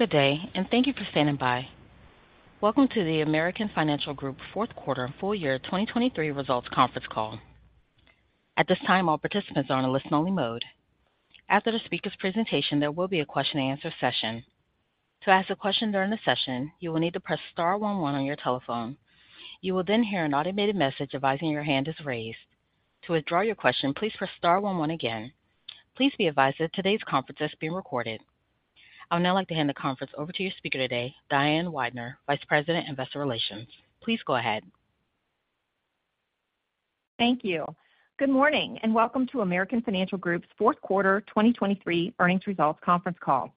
Good day, and thank you for standing by. Welcome to the American Financial Group Fourth Quarter and Full Year 2023 Results Conference Call. At this time, all participants are on a listen-only mode. After the speaker's presentation, there will be a question-and-answer session. To ask a question during the session, you will need to press star one one on your telephone. You will then hear an automated message advising your hand is raised. To withdraw your question, please press star one one again. Please be advised that today's conference is being recorded. I would now like to hand the conference over to your speaker today, Diane Weidner, Vice President, Investor Relations. Please go ahead. Thank you. Good morning, and welcome to American Financial Group's fourth quarter 2023 earnings results conference call.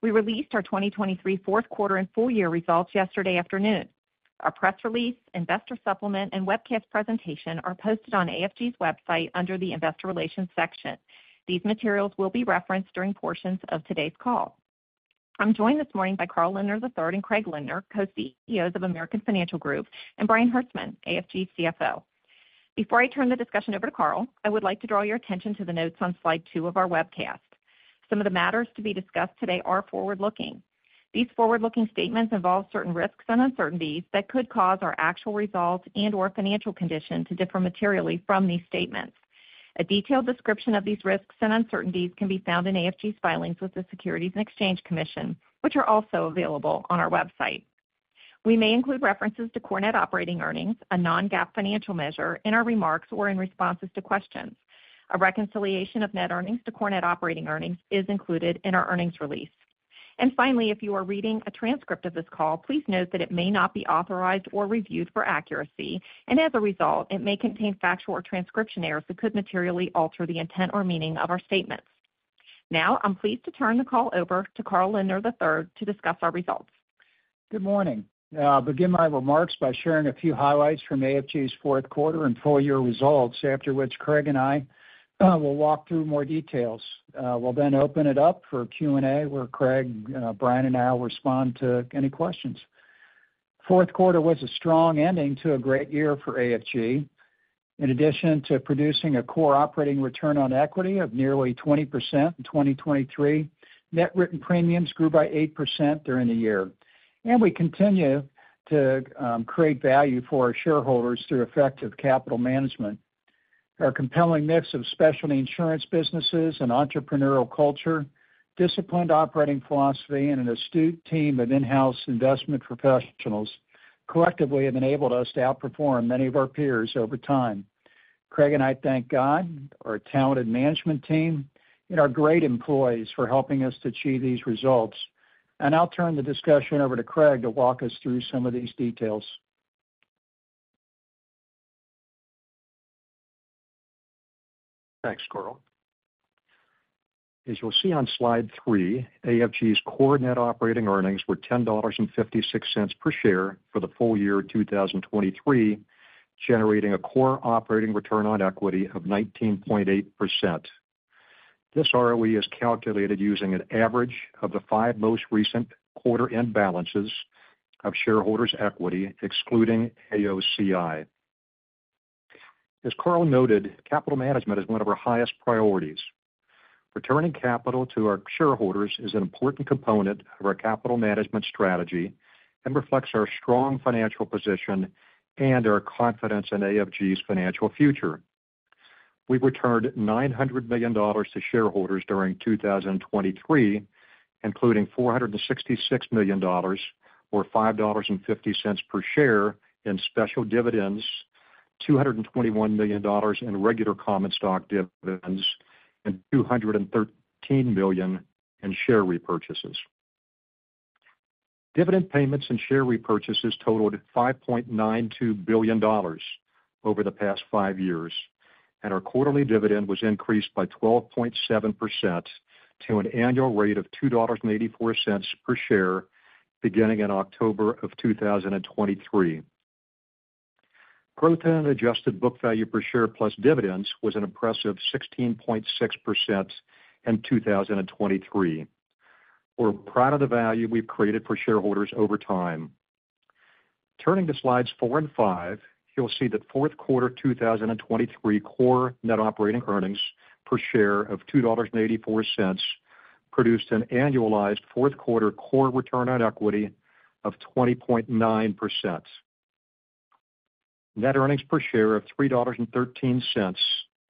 We released our 2023 fourth quarter and full year results yesterday afternoon. Our press release, investor supplement, and webcast presentation are posted on AFG's website under the Investor Relations section. These materials will be referenced during portions of today's call. I'm joined this morning by Carl Lindner III and Craig Lindner, Co-CEOs of American Financial Group; and Brian Hertzman, AFG's CFO. Before I turn the discussion over to Carl, I would like to draw your attention to the notes on slide two of our webcast. Some of the matters to be discussed today are forward-looking. These forward-looking statements involve certain risks and uncertainties that could cause our actual results and/or financial condition to differ materially from these statements. A detailed description of these risks and uncertainties can be found in AFG's filings with the Securities and Exchange Commission, which are also available on our website. We may include references to core net operating earnings, a non-GAAP financial measure, in our remarks or in responses to questions. A reconciliation of net earnings to core net operating earnings is included in our earnings release. Finally, if you are reading a transcript of this call, please note that it may not be authorized or reviewed for accuracy, and as a result, it may contain factual or transcription errors that could materially alter the intent or meaning of our statements. Now, I'm pleased to turn the call over to Carl Lindner III to discuss our results. Good morning. I'll begin my remarks by sharing a few highlights from AFG's fourth quarter and full year results, after which Craig and I will walk through more details. We'll then open it up for Q&A, where Craig, Brian, and I will respond to any questions. Fourth quarter was a strong ending to a great year for AFG. In addition to producing a core operating return on equity of nearly 20% in 2023, net written premiums grew by 8% during the year, and we continue to create value for our shareholders through effective capital management. Our compelling mix of specialty insurance businesses and entrepreneurial culture, disciplined operating philosophy, and an astute team of in-house investment professionals collectively have enabled us to outperform many of our peers over time. Craig and I thank God, our talented management team, and our great employees for helping us to achieve these results. I'll turn the discussion over to Craig to walk us through some of these details. Thanks, Carl. As you'll see on slide three, AFG's core net operating earnings were $10.56 per share for the full year 2023, generating a core operating return on equity of 19.8%. This ROE is calculated using an average of the five most recent quarter-end balances of shareholders' equity, excluding AOCI. As Carl noted, capital management is one of our highest priorities. Returning capital to our shareholders is an important component of our capital management strategy and reflects our strong financial position and our confidence in AFG's financial future. We returned $900 million to shareholders during 2023, including $466 million, or $5.50 per share in special dividends, $221 million in regular common stock dividends, and $213 million in share repurchases. Dividend payments and share repurchases totaled $5.92 billion over the past five years, and our quarterly dividend was increased by 12.7% to an annual rate of $2.84 per share, beginning in October 2023. Growth in Adjusted Book Value Per Share, plus dividends, was an impressive 16.6% in 2023. We're proud of the value we've created for shareholders over time. Turning to slides four and five, you'll see that fourth quarter 2023 Core Net Operating Earnings per share of $2.84 produced an annualized fourth quarter core return on equity of 20.9%. Net earnings per share of $3.13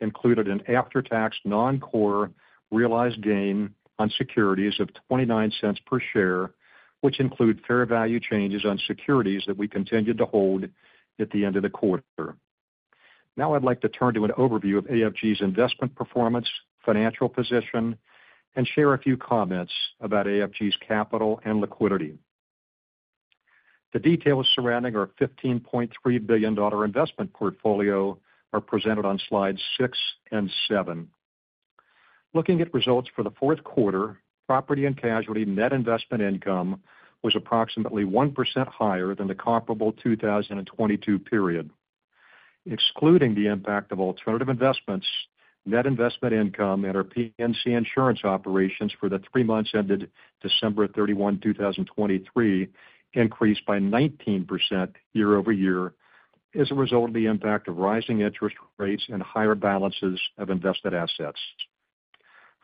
included an after-tax, non-core realized gain on securities of $0.29 per share, which include fair value changes on securities that we continued to hold at the end of the quarter. Now I'd like to turn to an overview of AFG's investment performance, financial position, and share a few comments about AFG's capital and liquidity. The details surrounding our $15.3 billion investment portfolio are presented on slides six and seven. Looking at results for the fourth quarter, property and casualty net investment income was approximately 1% higher than the comparable 2022 period. Excluding the impact of alternative investments, net investment income at our P&C insurance operations for the three months ended December 31, 2023, increased by 19% year-over-year-... As a result of the impact of rising interest rates and higher balances of invested assets.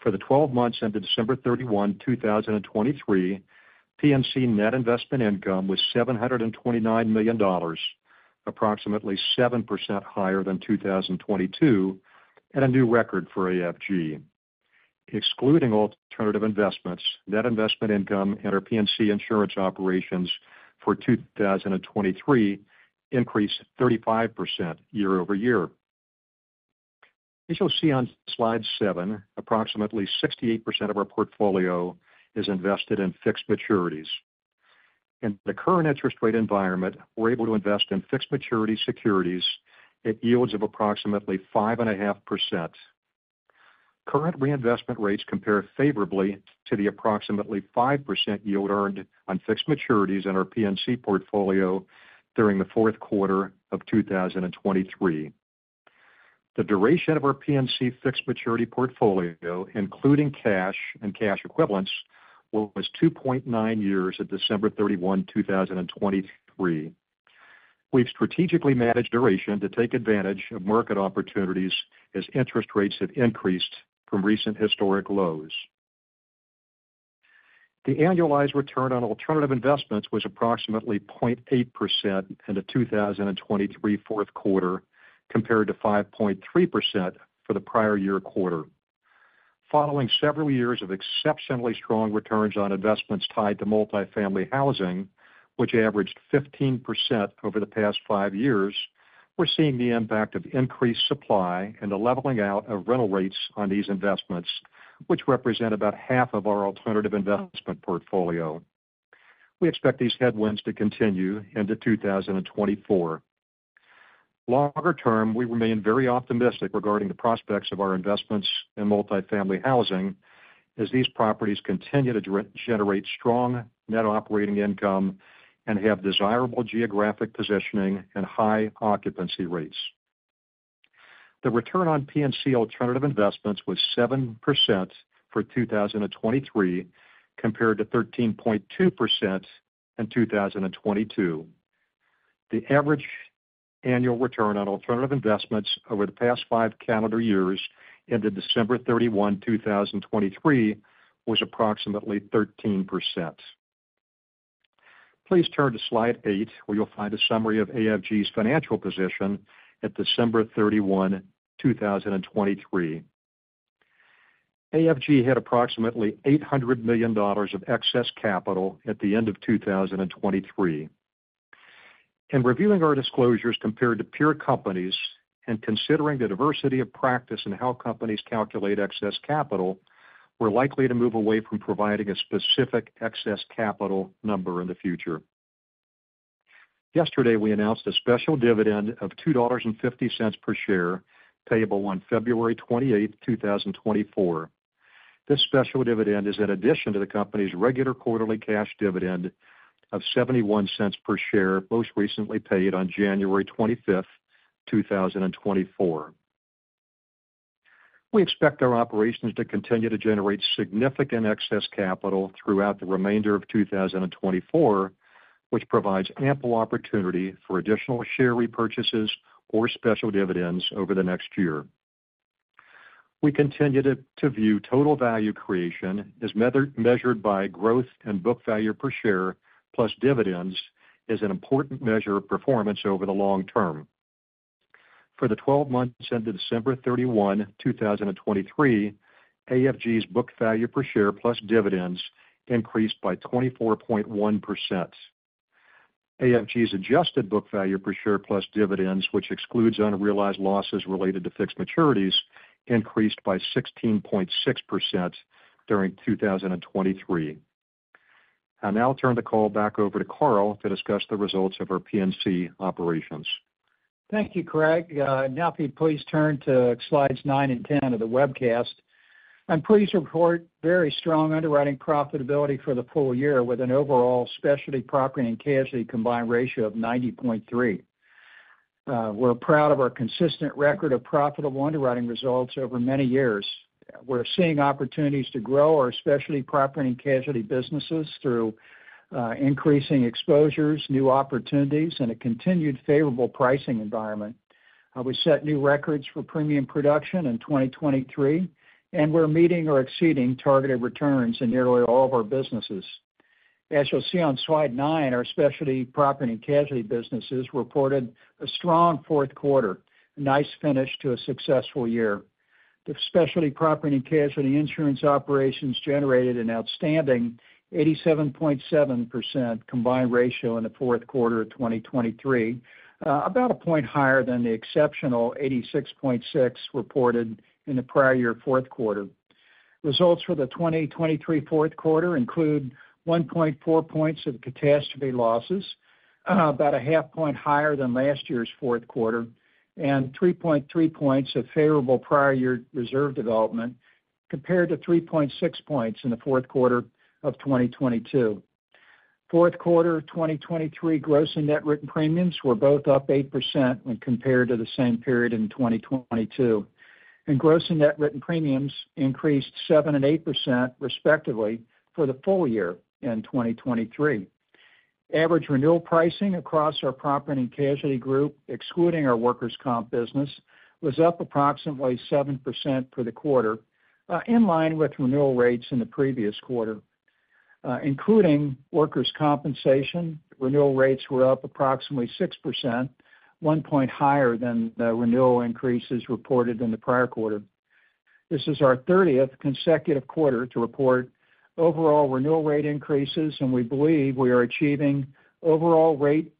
For the 12 months ended December 31, 2023, P&C net investment income was $729 million, approximately 7% higher than 2022, and a new record for AFG. Excluding alternative investments, net investment income at our P&C insurance operations for 2023 increased 35% year-over-year. As you'll see on slide seven, approximately 68% of our portfolio is invested in fixed maturities. In the current interest rate environment, we're able to invest in fixed maturity securities at yields of approximately 5.5%. Current reinvestment rates compare favorably to the approximately 5% yield earned on fixed maturities in our P&C portfolio during the fourth quarter of 2023. The duration of our P&C fixed maturity portfolio, including cash and cash equivalents, was 2.9 years at December 31, 2023. We've strategically managed duration to take advantage of market opportunities as interest rates have increased from recent historic lows. The annualized return on alternative investments was approximately 0.8% in the 2023 fourth quarter, compared to 5.3% for the prior year quarter. Following several years of exceptionally strong returns on investments tied to multifamily housing, which averaged 15% over the past five years, we're seeing the impact of increased supply and the leveling out of rental rates on these investments, which represent about half of our alternative investment portfolio. We expect these headwinds to continue into 2024. Longer term, we remain very optimistic regarding the prospects of our investments in multifamily housing, as these properties continue to regenerate strong net operating income and have desirable geographic positioning and high occupancy rates. The return on P&C alternative investments was 7% for 2023, compared to 13.2% in 2022. The average annual return on alternative investments over the past five calendar years, ended December 31, 2023, was approximately 13%. Please turn to slide eight, where you'll find a summary of AFG's financial position at December 31, 2023. AFG had approximately $800 million of excess capital at the end of 2023. In reviewing our disclosures compared to peer companies and considering the diversity of practice in how companies calculate excess capital, we're likely to move away from providing a specific excess capital number in the future. Yesterday, we announced a special dividend of $2.50 per share, payable on February 28, 2024. This special dividend is in addition to the company's regular quarterly cash dividend of $0.71 per share, most recently paid on January 25, 2024. We expect our operations to continue to generate significant excess capital throughout the remainder of 2024, which provides ample opportunity for additional share repurchases or special dividends over the next year. We continue to view total value creation, as measured by growth and book value per share, plus dividends, as an important measure of performance over the long term. For the twelve months ended December 31, 2023, AFG's book value per share, plus dividends, increased by 24.1%. AFG's adjusted book value per share, plus dividends, which excludes unrealized losses related to fixed maturities, increased by 16.6% during 2023. I'll now turn the call back over to Carl to discuss the results of our P&C operations. Thank you, Craig. Now, if you'd please turn to slides nine and 10 of the webcast. I'm pleased to report very strong underwriting profitability for the full year, with an overall specialty property and casualty combined ratio of 90.3%. We're proud of our consistent record of profitable underwriting results over many years. We're seeing opportunities to grow our specialty property and casualty businesses through, increasing exposures, new opportunities, and a continued favorable pricing environment. We set new records for premium production in 2023, and we're meeting or exceeding targeted returns in nearly all of our businesses. As you'll see on slide nine, our specialty property and casualty businesses reported a strong fourth quarter, a nice finish to a successful year. The specialty property and casualty insurance operations generated an outstanding 87.7% combined ratio in the fourth quarter of 2023, about a point higher than the exceptional 86.6 reported in the prior year, fourth quarter. Results for the 2023 fourth quarter include 1.4 points of catastrophe losses, about a half point higher than last year's fourth quarter, and 3.3 points of favorable prior year reserve development, compared to 3.6 points in the fourth quarter of 2022. Fourth quarter, 2023 gross and net written premiums were both up 8% when compared to the same period in 2022. Gross and net written premiums increased 7% and 8%, respectively, for the full year in 2023. Average renewal pricing across our property and casualty group, excluding our workers' comp business, was up approximately 7% for the quarter, in line with renewal rates in the previous quarter. Including workers' compensation, renewal rates were up approximately 6%, one point higher than the renewal increases reported in the prior quarter. This is our 30th consecutive quarter to report overall renewal rate increases, and we believe we are achieving overall rate,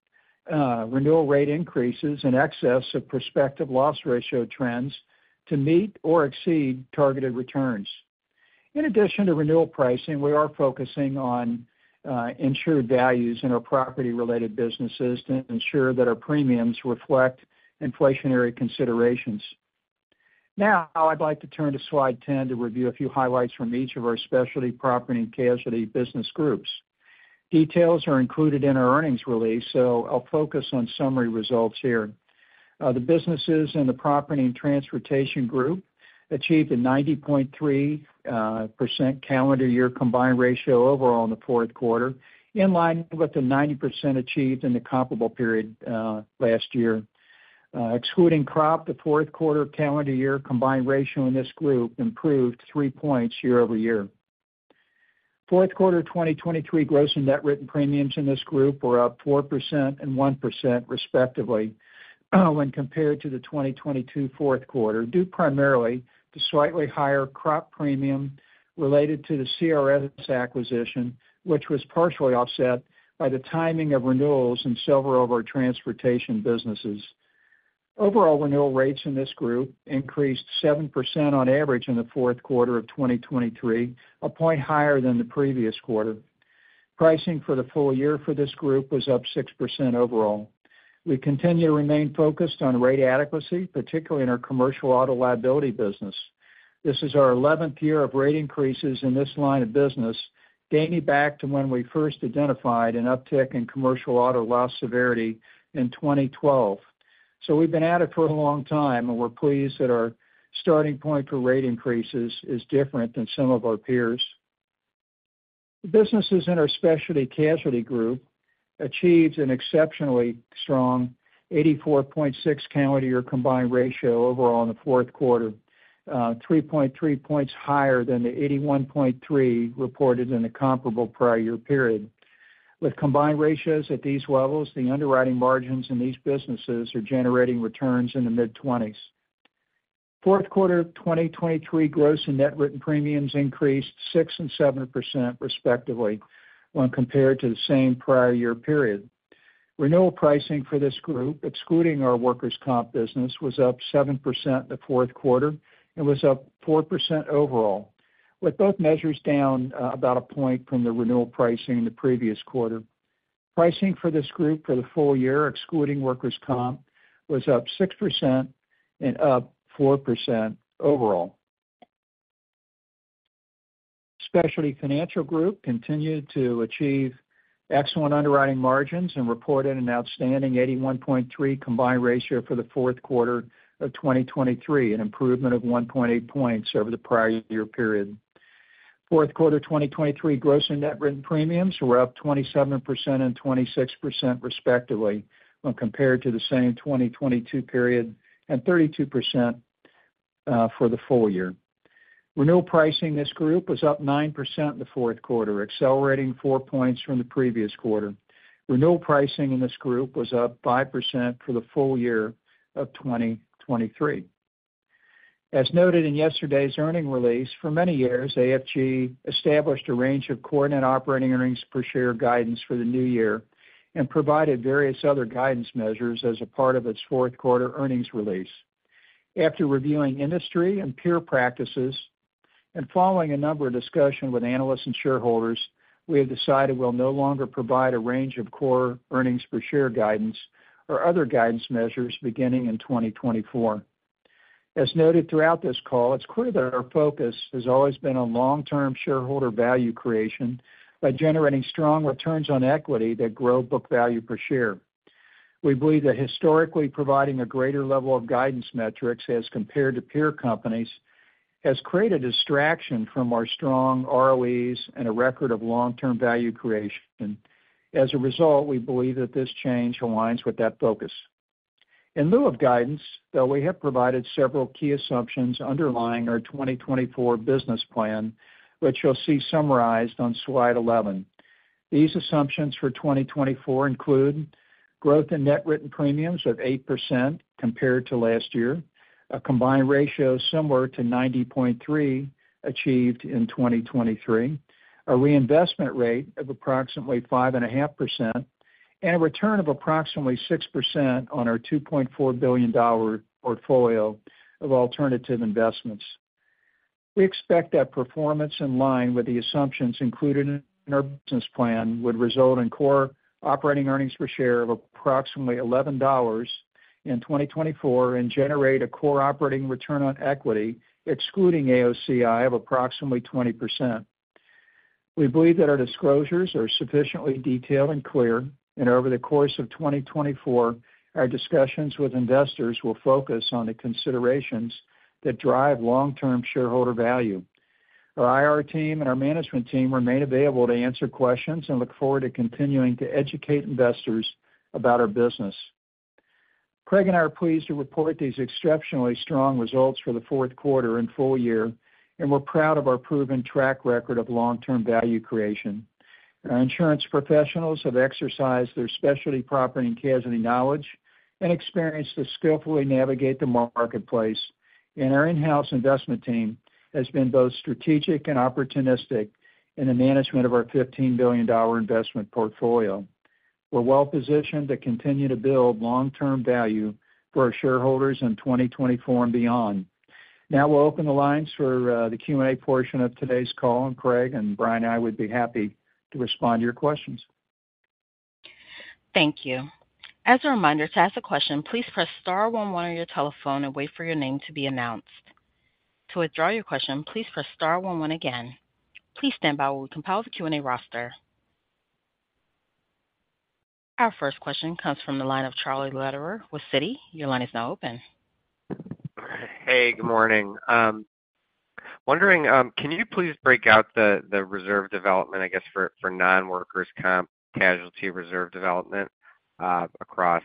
renewal rate increases in excess of prospective loss ratio trends to meet or exceed targeted returns. In addition to renewal pricing, we are focusing on insured values in our property-related businesses to ensure that our premiums reflect inflationary considerations. Now, I'd like to turn to slide 10 to review a few highlights from each of our specialty property and casualty business groups. Details are included in our earnings release, so I'll focus on summary results here. The businesses in the Property and Transportation Group achieved a 90.3% calendar year combined ratio overall in the fourth quarter, in line with the 90% achieved in the comparable period last year. Excluding crop, the fourth quarter calendar year combined ratio in this group improved three points year-over-year. Fourth quarter 2023 gross and net written premiums in this group were up 4% and 1%, respectively, when compared to the 2022 fourth quarter, due primarily to slightly higher crop premium related to the CRS acquisition, which was partially offset by the timing of renewals in several of our transportation businesses. Overall renewal rates in this group increased 7% on average in the fourth quarter of 2023, a point higher than the previous quarter. Pricing for the full year for this group was up 6% overall. We continue to remain focused on rate adequacy, particularly in our commercial auto liability business. This is our 11th year of rate increases in this line of business, dating back to when we first identified an uptick in commercial auto loss severity in 2012. So we've been at it for a long time, and we're pleased that our starting point for rate increases is different than some of our peers. The businesses in our Specialty Casualty group achieved an exceptionally strong 84.6 calendar year combined ratio overall in the fourth quarter, 3.3 points higher than the 81.3 reported in the comparable prior year period. With combined ratios at these levels, the underwriting margins in these businesses are generating returns in the mid-20s. Fourth quarter 2023 gross and net written premiums increased 6% and 7%, respectively, when compared to the same prior year period. Renewal pricing for this group, excluding our workers' comp business, was up 7% in the fourth quarter and was up 4% overall, with both measures down, about a point from the renewal pricing in the previous quarter. Pricing for this group for the full year, excluding workers' comp, was up 6% and up 4% overall. Specialty Financial Group continued to achieve excellent underwriting margins and reported an outstanding 81.3 combined ratio for the fourth quarter of 2023, an improvement of 1.8 points over the prior year period. Fourth quarter 2023 gross and net written premiums were up 27% and 26%, respectively, when compared to the same 2022 period, and 32% for the full year. Renewal pricing in this group was up 9% in the fourth quarter, accelerating four points from the previous quarter. Renewal pricing in this group was up 5% for the full year of 2023. As noted in yesterday's earnings release, for many years, AFG established a range of core net operating earnings per share guidance for the new year and provided various other guidance measures as a part of its fourth quarter earnings release. After reviewing industry and peer practices, and following a number of discussions with analysts and shareholders, we have decided we'll no longer provide a range of core earnings per share guidance or other guidance measures beginning in 2024. As noted throughout this call, it's clear that our focus has always been on long-term shareholder value creation by generating strong returns on equity that grow book value per share. We believe that historically providing a greater level of guidance metrics as compared to peer companies, has created a distraction from our strong ROEs and a record of long-term value creation. As a result, we believe that this change aligns with that focus. In lieu of guidance, though, we have provided several key assumptions underlying our 2024 business plan, which you'll see summarized on slide 11. These assumptions for 2024 include growth in net written premiums of 8% compared to last year, a combined ratio similar to 90.3 achieved in 2023, a reinvestment rate of approximately 5.5%, and a return of approximately 6% on our $2.4 billion portfolio of alternative investments. We expect that performance in line with the assumptions included in our business plan would result in core operating earnings per share of approximately $11 in 2024 and generate a core operating return on equity, excluding AOCI, of approximately 20%. We believe that our disclosures are sufficiently detailed and clear, and over the course of 2024, our discussions with investors will focus on the considerations that drive long-term shareholder value. Our IR team and our management team remain available to answer questions and look forward to continuing to educate investors about our business. Craig and I are pleased to report these exceptionally strong results for the fourth quarter and full year, and we're proud of our proven track record of long-term value creation. Our insurance professionals have exercised their specialty, property, and casualty knowledge and experience to skillfully navigate the marketplace, and our in-house investment team has been both strategic and opportunistic in the management of our $15 billion investment portfolio. We're well positioned to continue to build long-term value for our shareholders in 2024 and beyond. Now, we'll open the lines for the Q&A portion of today's call, and Craig and Brian and I would be happy to respond to your questions. Thank you. As a reminder, to ask a question, please press star one one on your telephone and wait for your name to be announced. To withdraw your question, please press star one one again. Please stand by while we compile the Q&A roster. Our first question comes from the line of Charlie Lederer with Citi. Your line is now open. Hey, good morning. Wondering, can you please break out the reserve development, I guess, for non-workers' comp casualty reserve development across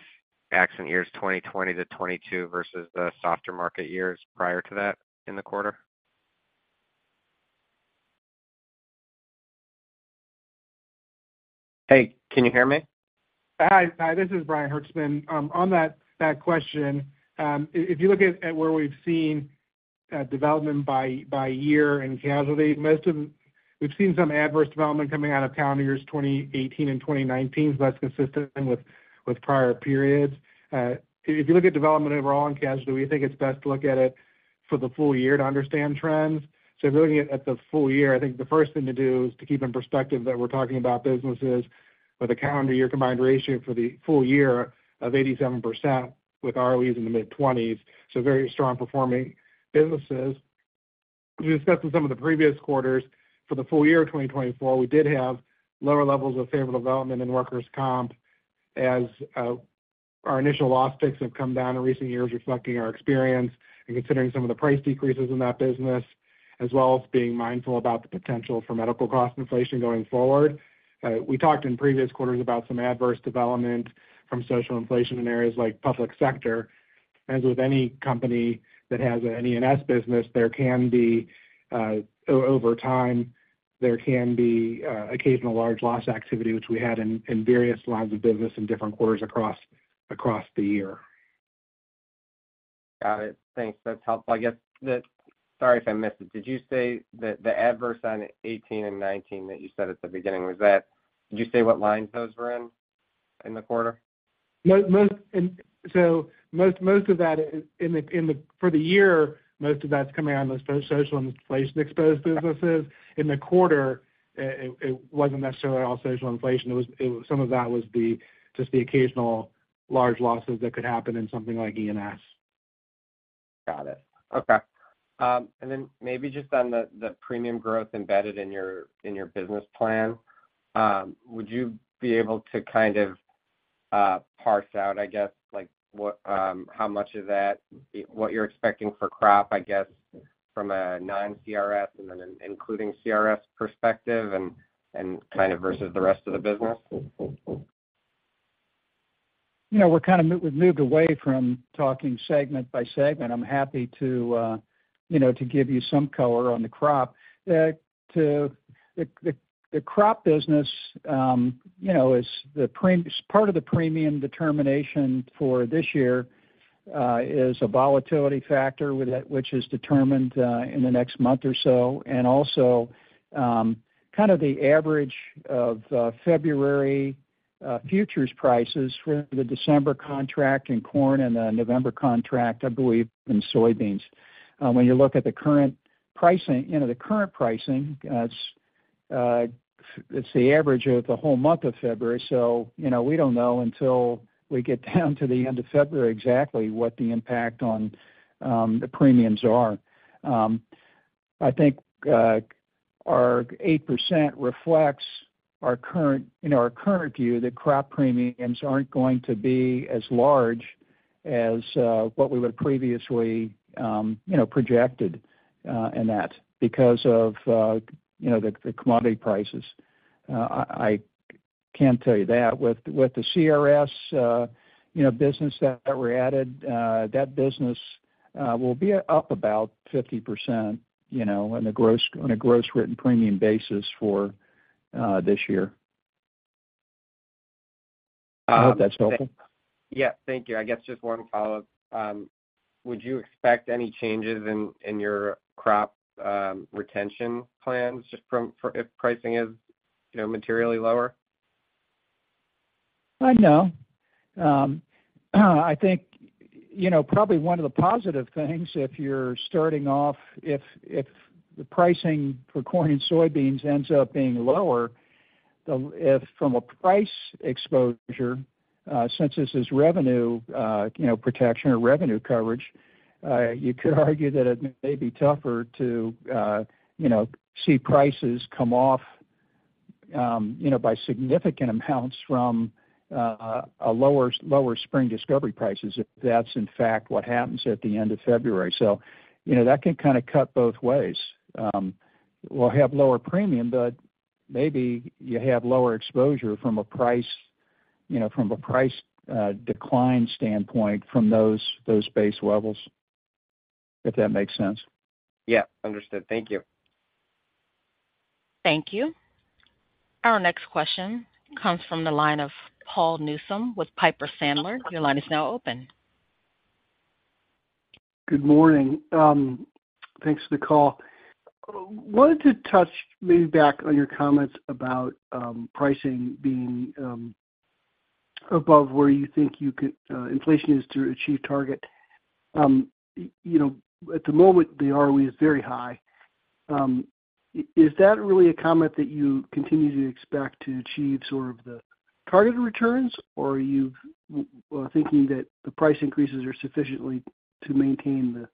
accident years 2020 to 2022 versus the softer market years prior to that in the quarter? Hey, can you hear me? Hi. Hi, this is Brian Hertzman. On that question, if you look at where we've seen development by year in casualty, we've seen some adverse development coming out of calendar years 2018 and 2019, so that's consistent with prior periods. If you look at development overall in casualty, we think it's best to look at it for the full year to understand trends. So looking at the full year, I think the first thing to do is to keep in perspective that we're talking about businesses with a calendar year combined ratio for the full year of 87%, with ROEs in the mid-20s, so very strong performing businesses. We discussed in some of the previous quarters, for the full year of 2024, we did have lower levels of favorable development in workers' comp, as our initial loss picks have come down in recent years, reflecting our experience and considering some of the price decreases in that business, as well as being mindful about the potential for medical cost inflation going forward. We talked in previous quarters about some adverse development from social inflation in areas like public sector. As with any company that has an E&S business, there can be over time, there can be occasional large loss activity, which we had in various lines of business in different quarters across the year. Got it. Thanks. That's helpful. I guess... Sorry if I missed it. Did you say that the adverse on 18 and 19 that you said at the beginning, was that, did you say what lines those were in, in the quarter? Most of that is in the—for the year, most of that's coming out of those social inflation-exposed businesses. In the quarter, it wasn't necessarily all social inflation. It was some of that was just the occasional large losses that could happen in something like E&S. Got it. Okay. And then maybe just on the, the premium growth embedded in your, in your business plan, would you be able to kind of, parse out, I guess, like, what, how much of that, what you're expecting for crop, I guess, from a non-CRS and then an including CRS perspective and, and kind of versus the rest of the business? You know, we're kind of – we've moved away from talking segment by segment. I'm happy to, you know, to give you some color on the crop. To the crop business, you know, is part of the premium determination for this year, is a volatility factor, with that, which is determined in the next month or so, and also, kind of the average of February futures prices for the December contract in corn and the November contract, I believe, in soybeans. When you look at the current pricing, you know, the current pricing, it's the average of the whole month of February, so, you know, we don't know until we get down to the end of February exactly what the impact on the premiums are. I think our 8% reflects our current, you know, our current view that crop premiums aren't going to be as large as what we would have previously, you know, projected in that because of, you know, the, the commodity prices. I, I can tell you that with, with the CRS, you know, business that, that were added, that business will be up about 50%, you know, on a gross, on a gross written premium basis for this year. I hope that's helpful. Yeah. Thank you. I guess just one follow-up. Would you expect any changes in your crop retention plans just from, for if pricing is, you know, materially lower? No. I think, you know, probably one of the positive things, if you're starting off, if the pricing for corn and soybeans ends up being lower, then if from a price exposure, since this is revenue, you know, protection or revenue coverage, you could argue that it may be tougher to, you know, see prices come off by significant amounts from a lower spring discovery prices, if that's in fact what happens at the end of February. So, you know, that can kind of cut both ways. We'll have lower premium, but maybe you have lower exposure from a price, you know, from a price decline standpoint from those base levels, if that makes sense. Yeah, understood. Thank you. Thank you. Our next question comes from the line of Paul Newsome with Piper Sandler. Your line is now open. Good morning. Thanks for the call. Wanted to touch maybe back on your comments about, pricing being, above where you think you could, inflation is to achieve target. You know, at the moment, the ROE is very high. Is that really a comment that you continue to expect to achieve sort of the targeted returns? Or are you thinking that the price increases are sufficiently to maintain the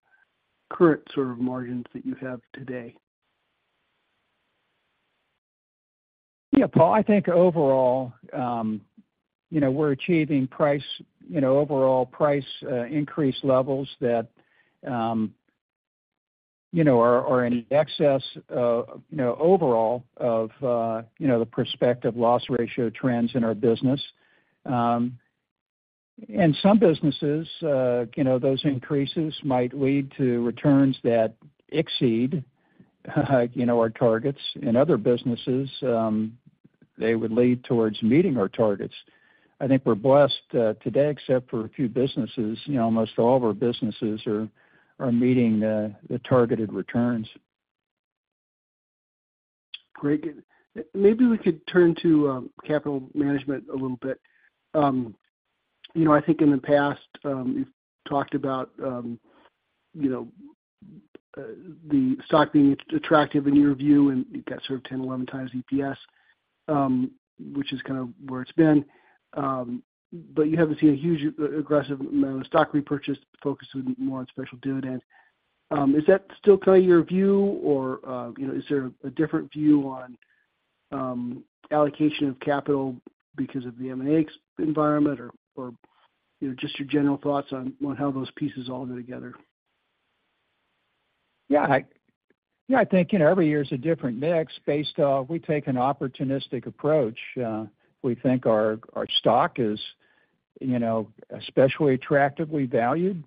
current sort of margins that you have today? Yeah, Paul, I think overall, you know, we're achieving price, you know, overall price increase levels that, you know, are in excess of, you know, overall of, you know, the prospective loss ratio trends in our business. In some businesses, you know, those increases might lead to returns that exceed, you know, our targets. In other businesses, they would lead towards meeting our targets. I think we're blessed, today, except for a few businesses, you know, almost all of our businesses are meeting the targeted returns. Great. Maybe we could turn to capital management a little bit. You know, I think in the past, you've talked about you know the stock being attractive in your view, and you've got sort of 101x EPS, which is kind of where it's been. But you haven't seen a huge aggressive amount of stock repurchase focus more on special dividends. Is that still kind of your view, or you know, is there a different view on allocation of capital because of the M&A environment? Or, you know, just your general thoughts on how those pieces all go together. Yeah, yeah, I think, you know, every year is a different mix based on we take an opportunistic approach. We think our, our stock is, you know, especially attractively valued.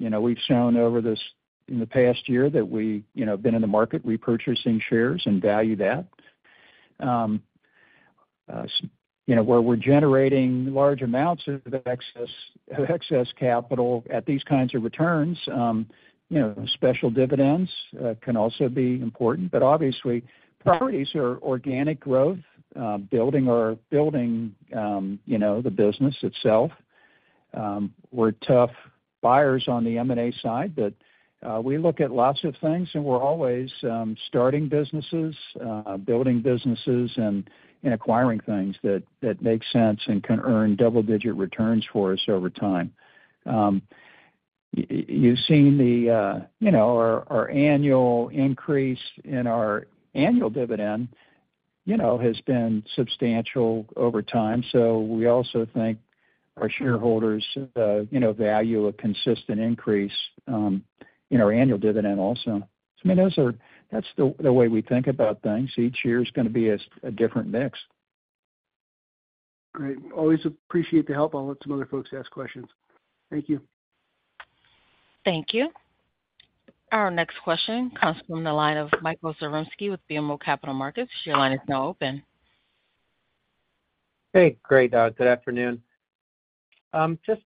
You know, we've shown over this in the past year that we, you know, have been in the market repurchasing shares and value that. You know, where we're generating large amounts of excess, excess capital at these kinds of returns, you know, special dividends can also be important. But obviously, priorities are organic growth, building or building, you know, the business itself. We're tough buyers on the M&A side, but we look at lots of things, and we're always starting businesses, building businesses and, and acquiring things that, that make sense and can earn double-digit returns for us over time. You've seen the, you know, our annual increase in our annual dividend, you know, has been substantial over time, so we also think our shareholders, you know, value a consistent increase in our annual dividend also. I mean, that's the way we think about things. Each year is gonna be a different mix. Great. Always appreciate the help. I'll let some other folks ask questions. Thank you. Thank you. Our next question comes from the line of Michael Zaremski with BMO Capital Markets. Your line is now open. Hey, great, good afternoon. Just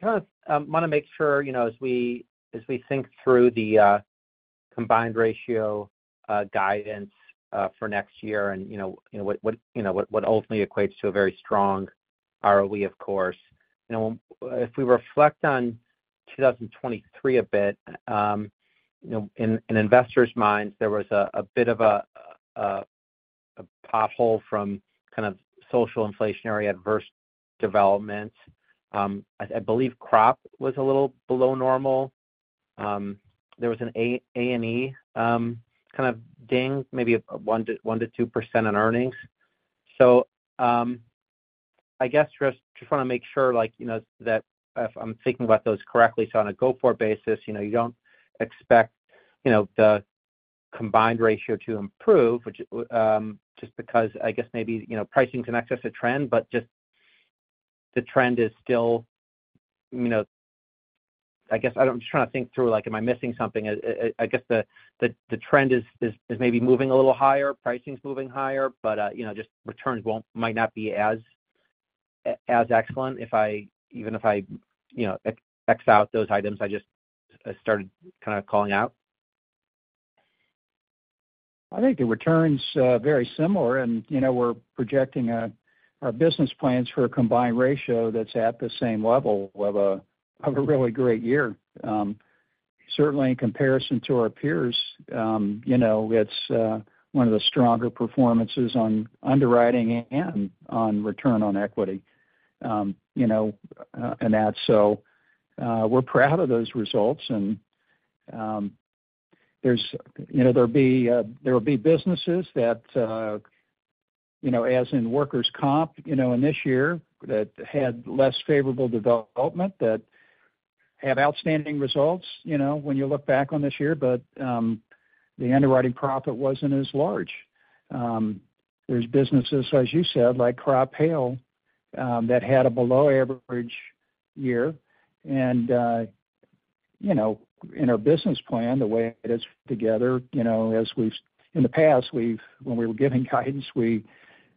kind of wanna make sure, you know, as we think through the combined ratio guidance for next year, and, you know, what ultimately equates to a very strong ROE, of course. You know, if we reflect on 2023 a bit, you know, in investors' minds, there was a bit of a pothole from kind of social inflationary adverse developments. I believe crop was a little below normal. There was an A&E kind of ding, maybe a 1%-2% on earnings. So, I guess just wanna make sure, like, you know, that if I'm thinking about those correctly, so on a go-forward basis, you know, you don't expect, you know, the combined ratio to improve, which, just because I guess maybe, you know, pricing can access a trend, but just the trend is still, you know. I guess I'm just trying to think through, like, am I missing something? I guess the trend is maybe moving a little higher, pricing is moving higher, but, you know, just returns won't, might not be as excellent if I, even if I, you know, ex out those items I just started kind of calling out. I think the returns are very similar, and, you know, we're projecting our business plans for a combined ratio that's at the same level of a really great year. Certainly in comparison to our peers, you know, it's one of the stronger performances on underwriting and on return on equity. You know, and that so, we're proud of those results, and... There's, you know, there'll be businesses that, you know, as in workers' comp, you know, in this year, that had less favorable development, that had outstanding results, you know, when you look back on this year. But, the underwriting profit wasn't as large. There's businesses, as you said, like crop hail, that had a below average year. You know, in our business plan, the way it is together, you know, as in the past when we were giving guidance, we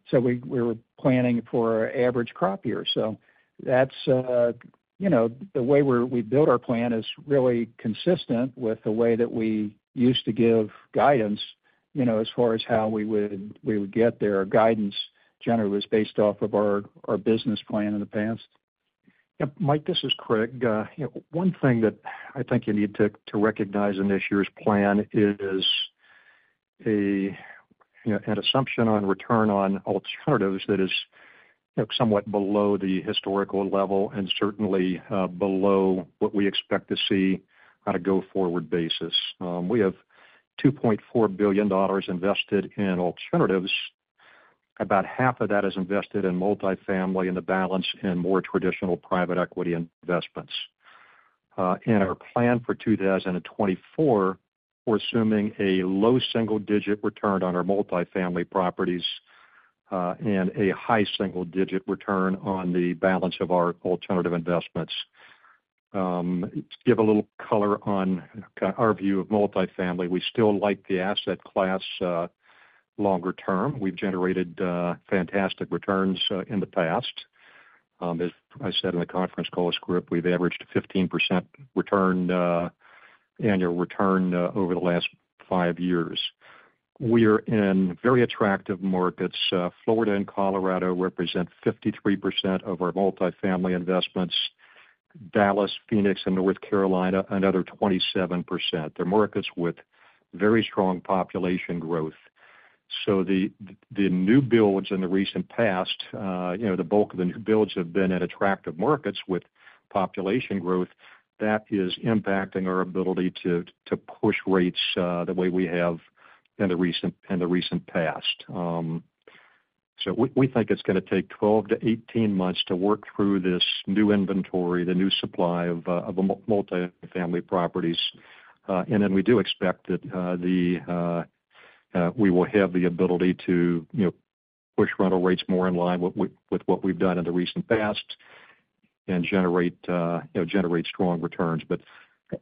said we were planning for an average crop year. So that's, you know, the way we build our plan is really consistent with the way that we used to give guidance, you know, as far as how we would get there. Our guidance generally was based off of our business plan in the past. Yep, Mike, this is Craig. You know, one thing that I think you need to to recognize in this year's plan is a, you know, an assumption on return on alternatives that is, you know, somewhat below the historical level and certainly below what we expect to see on a go-forward basis. We have $2.4 billion invested in alternatives. About half of that is invested in multifamily and the balance in more traditional private equity investments. In our plan for 2024, we're assuming a low single digit return on our multifamily properties and a high single digit return on the balance of our alternative investments. To give a little color on our view of multifamily, we still like the asset class longer term. We've generated fantastic returns in the past. As I said in the conference call script, we've averaged 15% return, annual return, over the last five years. We are in very attractive markets. Florida and Colorado represent 53% of our multifamily investments. Dallas, Phoenix, and North Carolina, another 27%. They're markets with very strong population growth. So the new builds in the recent past, you know, the bulk of the new builds have been at attractive markets with population growth. That is impacting our ability to push rates, the way we have in the recent past. So we think it's gonna take 12-18 months to work through this new inventory, the new supply of the multifamily properties. And then we do expect that the we will have the ability to, you know, push rental rates more in line with, with, with what we've done in the recent past and generate, you know, generate strong returns. But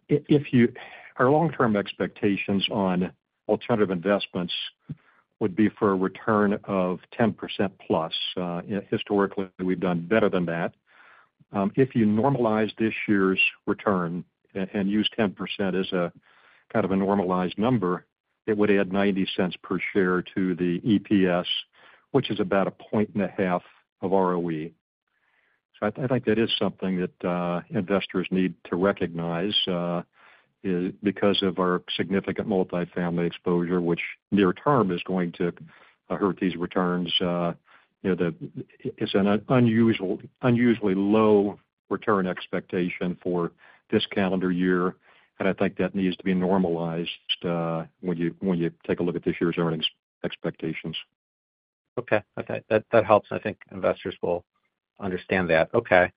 if, if you-- our long-term expectations on alternative investments would be for a return of 10%+. Historically, we've done better than that. If you normalize this year's return and, and use 10% as a kind of a normalized number, it would add $0.90 per share to the EPS, which is about 1.5 points of ROE. So I, I think that is something that investors need to recognize is because of our significant multifamily exposure, which near term, is going to hurt these returns. You know, it's an unusually low return expectation for this calendar year, and I think that needs to be normalized when you take a look at this year's earnings expectations. Okay. Okay, that, that helps. I think investors will understand that. Okay.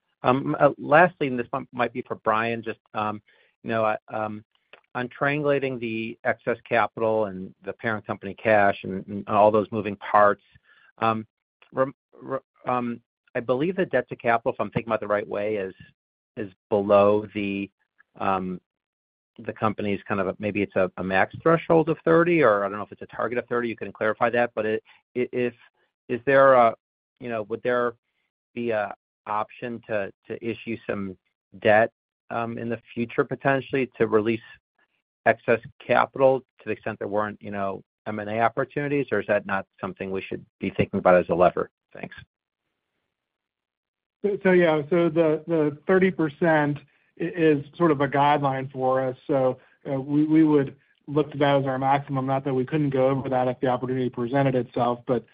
Lastly, and this one might be for Brian, just, you know, I'm triangulating the excess capital and the parent company cash and all those moving parts. I believe the debt to capital, if I'm thinking about the right way, is below the company's kind of a max threshold of 30%, or I don't know if it's a target of 30%. You can clarify that. But if, is there a, you know, would there be an option to issue some debt in the future, potentially, to release excess capital to the extent there weren't, you know, M&A opportunities, or is that not something we should be thinking about as a lever? Thanks. Yeah, the 30% is sort of a guideline for us. We would look to that as our maximum. Not that we couldn't go over that if the opportunity presented itself, but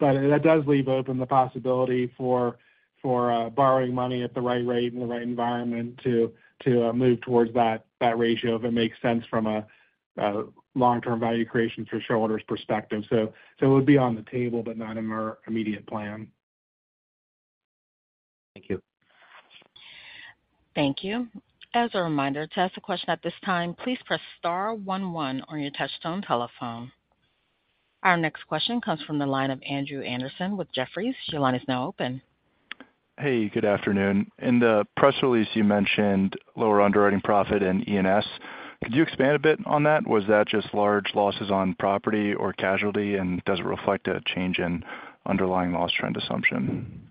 that does leave open the possibility for borrowing money at the right rate in the right environment to move towards that ratio, if it makes sense from a long-term value creation for shareholders' perspective. So it would be on the table, but not in our immediate plan. Thank you. Thank you. As a reminder, to ask a question at this time, please press star one one on your touchtone telephone. Our next question comes from the line of Andrew Andersen with Jefferies. Your line is now open. Hey, good afternoon. In the press release, you mentioned lower underwriting profit and E&S. Could you expand a bit on that? Was that just large losses on property or casualty, and does it reflect a change in underlying loss trend assumption?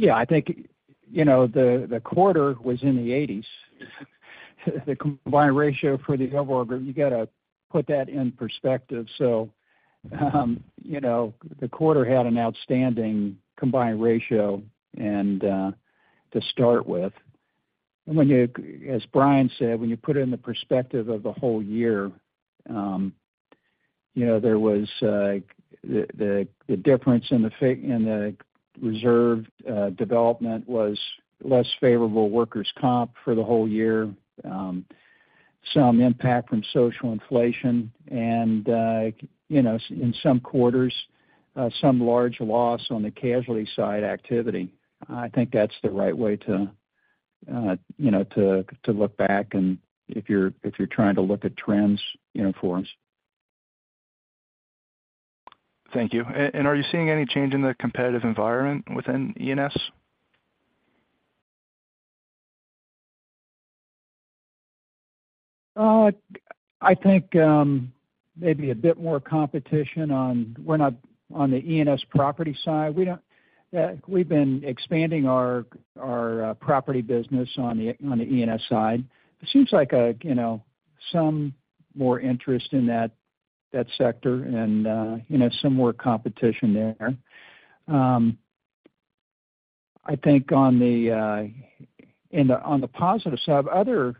Yeah, I think, you know, the quarter was in the 80s. The combined ratio for the whole group, you got to put that in perspective. So, you know, the quarter had an outstanding combined ratio, and to start with. When you, as Brian said, when you put it in the perspective of the whole year. You know, there was the difference in the favorable reserve development was less favorable workers' comp for the whole year, some impact from social inflation and, you know, in some quarters, some large loss on the casualty side activity. I think that's the right way to, you know, to look back and if you're, if you're trying to look at trends, you know, for us. Thank you. And are you seeing any change in the competitive environment within E&S? I think maybe a bit more competition on the E&S property side. We don't— we've been expanding our property business on the E&S side. It seems like, you know, some more interest in that sector and, you know, some more competition there. I think on the positive side, other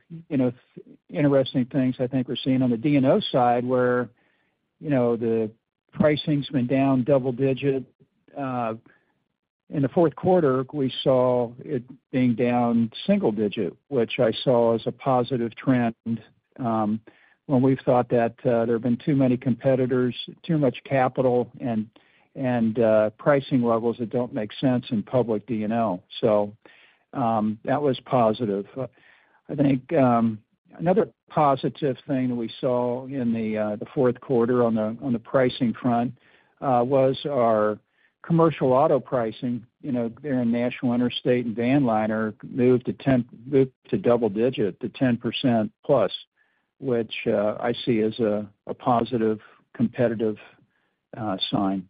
interesting things I think we're seeing on the D&O side, where, you know, the pricing's been down double digit. In the fourth quarter, we saw it being down single digit, which I saw as a positive trend, when we've thought that there have been too many competitors, too much capital and pricing levels that don't make sense in public D&O. So, that was positive. I think another positive thing that we saw in the fourth quarter on the pricing front was our commercial auto pricing. You know, there in National Interstate and Vanliner moved to double digit, to 10% plus, which I see as a positive competitive sign.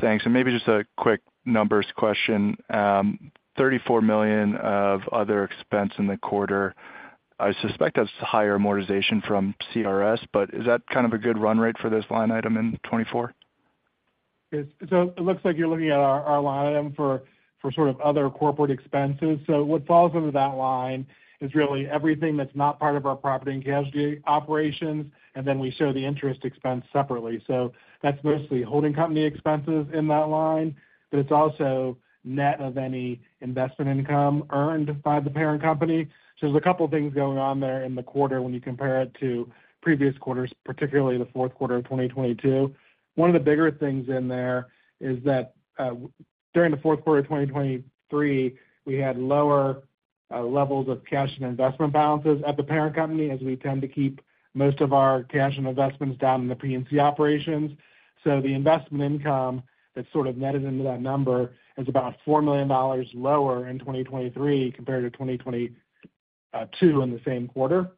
Thanks. Maybe just a quick numbers question. $34 million of other expense in the quarter, I suspect that's higher amortization from CRS, but is that kind of a good run rate for this line item in 2024? So it looks like you're looking at our line item for sort of other corporate expenses. So what falls into that line is really everything that's not part of our property and casualty operations, and then we show the interest expense separately. So that's mostly holding company expenses in that line, but it's also net of any investment income earned by the parent company. So there's a couple things going on there in the quarter when you compare it to previous quarters, particularly the fourth quarter of 2022. One of the bigger things in there is that during the fourth quarter of 2023, we had lower levels of cash and investment balances at the parent company, as we tend to keep most of our cash and investments down in the P&C operations. So the investment income that's sort of netted into that number is about $4 million lower in 2023 compared to 2022 in the same quarter.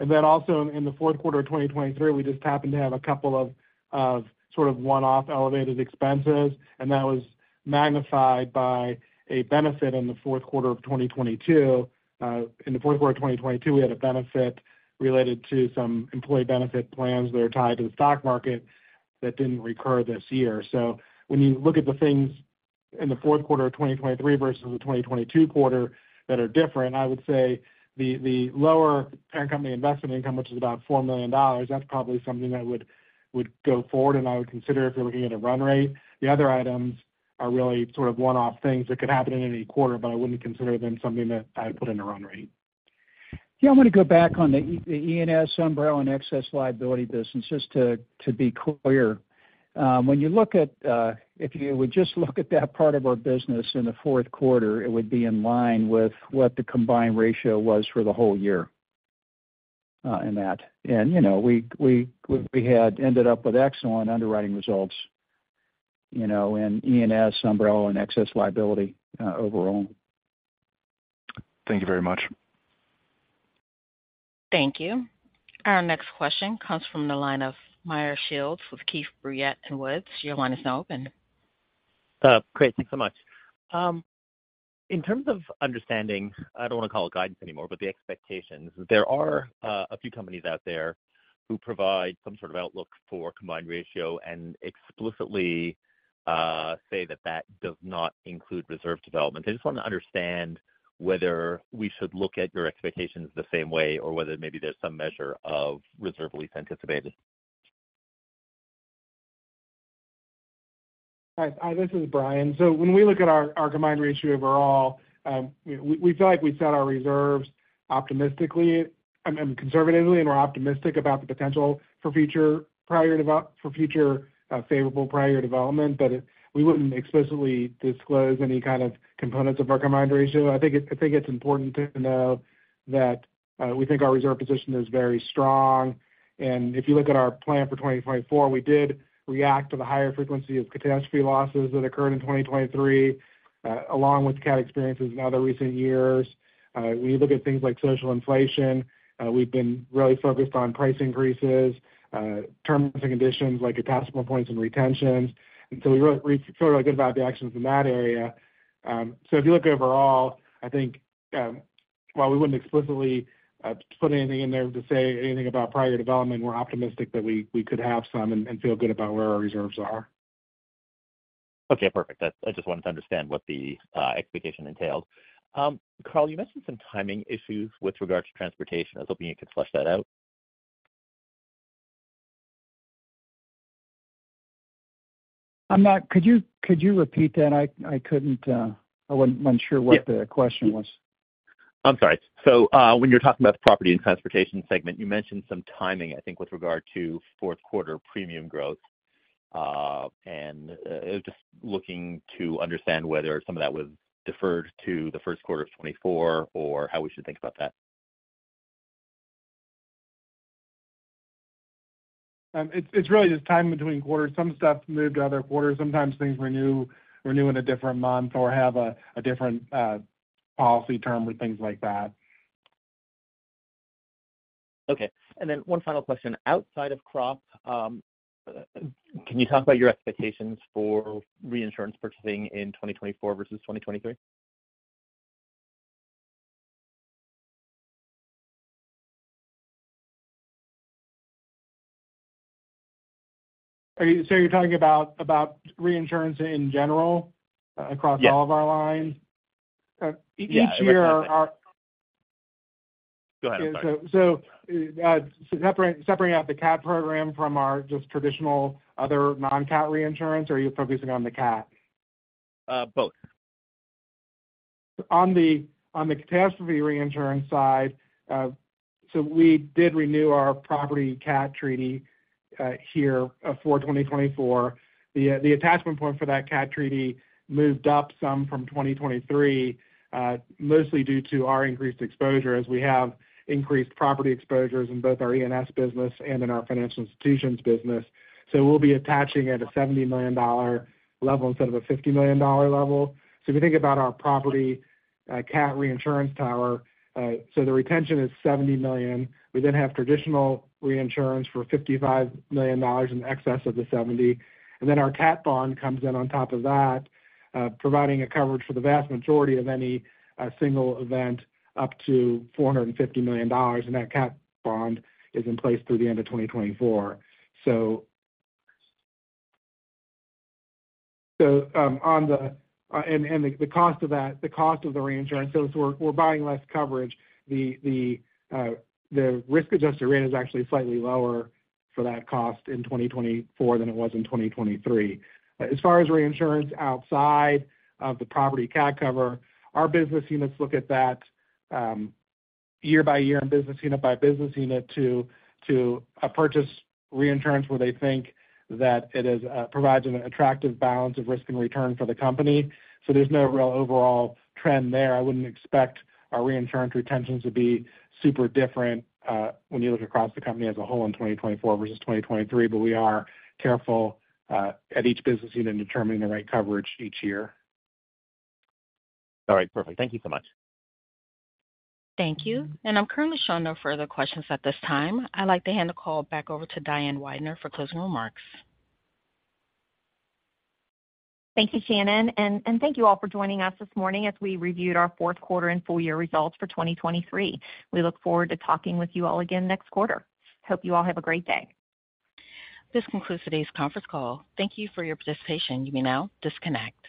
And then also in the fourth quarter of 2023, we just happened to have a couple of, of sort of one-off elevated expenses, and that was magnified by a benefit in the fourth quarter of 2022. In the fourth quarter of 2022, we had a benefit related to some employee benefit plans that are tied to the stock market that didn't recur this year. So when you look at the things in the fourth quarter of 2023 versus the 2022 quarter that are different, I would say the, the lower parent company investment income, which is about $4 million, that's probably something that would, would go forward and I would consider if you're looking at a run rate. The other items are really sort of one-off things that could happen in any quarter, but I wouldn't consider them something that I'd put in a run rate. Yeah, I'm gonna go back on the E&S umbrella and excess liability business, just to be clear. When you look at, if you would just look at that part of our business in the fourth quarter, it would be in line with what the combined ratio was for the whole year, in that. And, you know, we had ended up with excellent underwriting results, you know, in E&S, Umbrella and Excess Liability, overall. Thank you very much. Thank you. Our next question comes from the line of Meyer Shields with Keefe, Bruyette, and Woods. Your line is now open. Great. Thanks so much. In terms of understanding, I don't want to call it guidance anymore, but the expectations, there are a few companies out there who provide some sort of outlook for combined ratio and explicitly say that that does not include reserve development. I just want to understand whether we should look at your expectations the same way, or whether maybe there's some measure of reserve release anticipated. Hi, this is Brian. So when we look at our combined ratio overall, we feel like we set our reserves optimistically and conservatively, and we're optimistic about the potential for future favorable prior development. But we wouldn't explicitly disclose any kind of components of our combined ratio. I think it's important to know that we think our reserve position is very strong. And if you look at our plan for 2024, we did react to the higher frequency of catastrophe losses that occurred in 2023, along with cat experiences in other recent years. We look at things like social inflation. We've been really focused on price increases, terms and conditions, like attachment points and retentions. And so we feel really good about the actions in that area. So if you look overall, I think, while we wouldn't explicitly put anything in there to say anything about prior development, we're optimistic that we, we could have some and, and feel good about where our reserves are.... Okay, perfect. I just wanted to understand what the expectation entailed. Carl, you mentioned some timing issues with regards to transportation. I was hoping you could flesh that out. I'm not. Could you repeat that? I couldn't. I wasn't sure what the question was. I'm sorry. So, when you're talking about the property and transportation segment, you mentioned some timing, I think, with regard to fourth quarter premium growth. And, just looking to understand whether some of that was deferred to the first quarter of 2024 or how we should think about that. It's really just time between quarters. Some stuff moved to other quarters. Sometimes things renew in a different month or have a different policy term or things like that. Okay. One final question. Outside of crop, can you talk about your expectations for reinsurance purchasing in 2024 versus 2023? So you're talking about reinsurance in general across- Yeah. All of our lines? Yeah. Each year our- Go ahead. So, separating out the cat program from our just traditional other non-cat reinsurance, or are you focusing on the cat? Uh, both. On the, on the catastrophe reinsurance side, so we did renew our property cat treaty here for 2024. The, the attachment point for that cat treaty moved up some from 2023, mostly due to our increased exposure as we have increased property exposures in both our ENS business and in our financial institutions business. So we'll be attaching at a $70 million level instead of a $50 million level. So if you think about our property cat reinsurance tower, so the retention is $70 million. We then have traditional reinsurance for $55 million in excess of the $70 million, and then our cat bond comes in on top of that, providing a coverage for the vast majority of any single event up to $450 million, and that cat bond is in place through the end of 2024. So, on the cost of that, the cost of the reinsurance, so we're buying less coverage. The risk-adjusted rate is actually slightly lower for that cost in 2024 than it was in 2023. As far as reinsurance outside of the property cat cover, our business units look at that, year by year and business unit by business unit to purchase reinsurance where they think that it is, provides an attractive balance of risk and return for the company. So there's no real overall trend there. I wouldn't expect our reinsurance retentions to be super different, when you look across the company as a whole in 2024 versus 2023, but we are careful, at each business unit in determining the right coverage each year. All right, perfect. Thank you so much. Thank you. I'm currently showing no further questions at this time. I'd like to hand the call back over to Diane Weidner for closing remarks. Thank you, Shannon, and thank you all for joining us this morning as we reviewed our fourth quarter and full year results for 2023. We look forward to talking with you all again next quarter. Hope you all have a great day. This concludes today's conference call. Thank you for your participation. You may now disconnect.